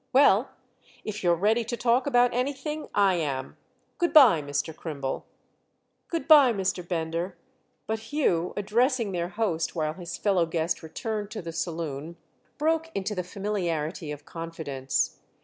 "Well, if you're ready to talk about anything, I am. Good bye, Mr. Crimble." "Good bye, Mr. Bender." But Hugh, addressing their host while his fellow guest returned to the saloon, broke into the familiarity of confidence.